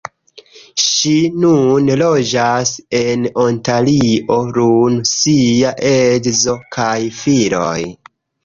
Ŝi nune loĝas en Ontario lun sia edzo kaj filoj.